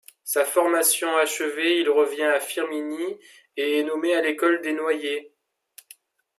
Sa formation achevée, il revient à Firminy et est nommé à l'école des Noyers.